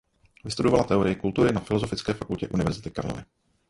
Vystudovala teorii kultury na Filosofické fakultě University Karlovy.